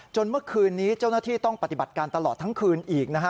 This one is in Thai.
เมื่อคืนนี้เจ้าหน้าที่ต้องปฏิบัติการตลอดทั้งคืนอีกนะฮะ